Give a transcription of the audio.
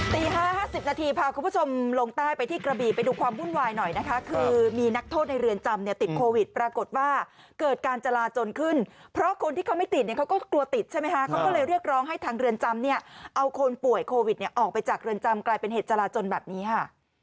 ตี๕๕๐นาทีพาคุณผู้ชมลงใต้ไปที่กระบีไปดูความวุ่นวายหน่อยนะคะคือมีนักโทษในเรือนจำเนี่ยติดโควิดปรากฏว่าเกิดการจราจนขึ้นเพราะคนที่เขาไม่ติดเนี่ยเขาก็กลัวติดใช่ไหมคะเขาก็เลยเรียกร้องให้ทางเรือนจำเนี่ยเอาคนป่วยโควิดเนี่ยออกไปจากเรือนจำกลายเป็นเหตุจราจนแบบนี้ค่ะ